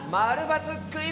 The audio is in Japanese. ○×クイズ」！